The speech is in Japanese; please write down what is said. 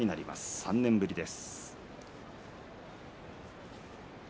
３年ぶりです。